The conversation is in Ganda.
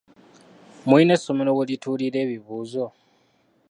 Mulina essomero werituulira ebibuuzo?